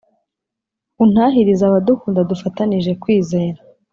Untahirize abadukunda dufatanije kwizera